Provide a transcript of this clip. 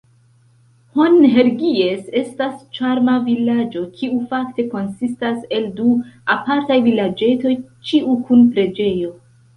Hon-Hergies estas ĉarma vilaĝo, kiu fakte konsistas el du apartaj vilaĝetoj, ĉiu kun preĝejo.